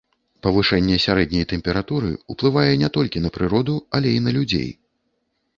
Павышэнне сярэдняй тэмпературы ўплывае не толькі на прыроду, але і на людзей.